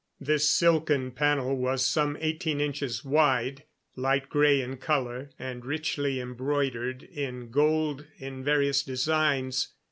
This silken panel was some eighteen inches wide, light gray in color, and richly embroidered in gold in various designs.